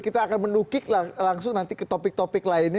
kita akan menukik langsung nanti ke topik topik lainnya